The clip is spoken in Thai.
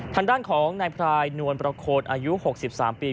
ทางด้านของนายพรายนวลประโคนอายุ๖๓ปี